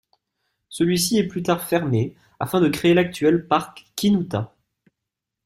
Celui-ci est plus tard fermé afin de créer l'actuel parc Kinuta.